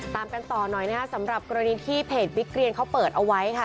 ตามกันต่อหน่อยนะครับสำหรับกรณีที่เพจบิ๊กเรียนเขาเปิดเอาไว้ค่ะ